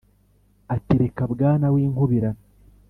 Ati: "Reka Bwana winkubirana!